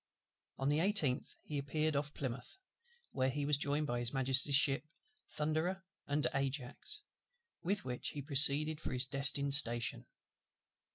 On the 18th he appeared off Plymouth; where he was joined by his Majesty's ships Thunderer and Ajax, with which he proceeded for his destined station.